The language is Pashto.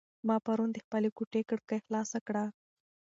ما پرون د خپلې کوټې کړکۍ خلاصه کړه.